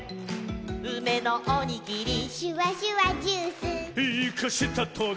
「うめのおにぎり」「シュワシュワジュース」「イカしたトゲ」